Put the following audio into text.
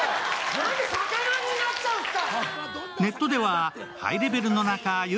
何で魚になっちゃうんすか！